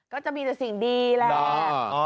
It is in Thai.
ก็จะมีแต่สิ่งดีแหละ